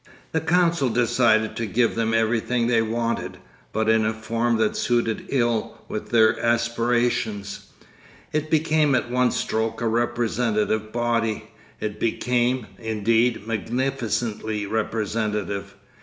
The council decided to give them everything they wanted, but in a form that suited ill with their aspirations. It became at one stroke a representative body. It became, indeed, magnificently representative.